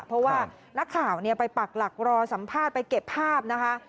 เพราะว่านักข่าวไปปักหลักรอสัมภาษณ์ไปเก็บภาพนะคะ